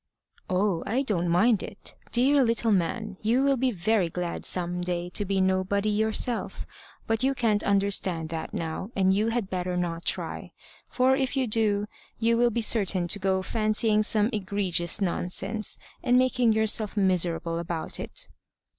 "Oh, I don't mind it. Dear little man! you will be very glad some day to be nobody yourself. But you can't understand that now, and you had better not try; for if you do, you will be certain to go fancying some egregious nonsense, and making yourself miserable about it."